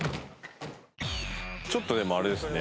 ちょっとでもあれですね。